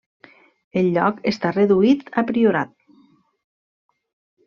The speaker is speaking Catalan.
El lloc restà reduït a priorat.